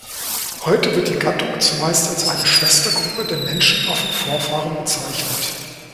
Heute wird die Gattung zumeist als eine Schwestergruppe der Menschenaffen-Vorfahren bezeichnet.